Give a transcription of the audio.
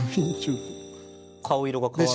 顔色が変わって。